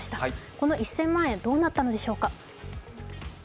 この１０００万円どうなったのでしょうか。